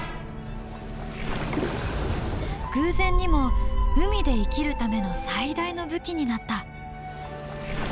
偶然にも海で生きるための最大の武器になった。